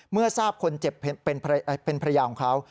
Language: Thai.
เมื่อทราบคนเจ็บเป็นภรรยาของเขา